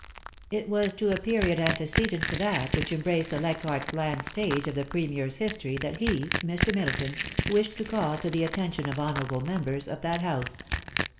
... It was to a period antecedent to that which embraced the Leichardt's Land stage of the Premier's history that he, Mr. Middleton, wished to call the attention of honourable members of that House.